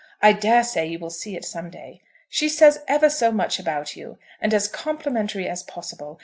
I dare say you will see it some day. She says ever so much about you, and as complimentary as possible.